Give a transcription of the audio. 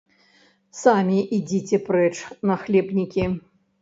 Самі ідзіце прэч, нахлебнікі!